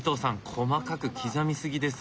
細かく刻み過ぎです。